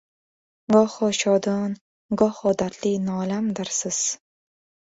Goho shodon, goho dardli nolamdirsiz